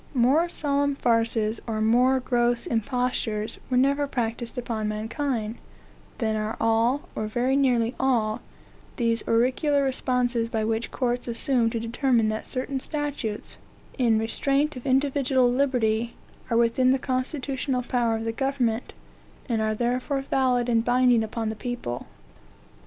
More solemn farces, or more gross impostures, were never practised upon mankind, than are all, or very nearly all, those oracular responses by which courts assume to determine that certain statutes, in restraint of individual liberty, are within the constitutional power of the government, and are therefore valid and binding upon the people.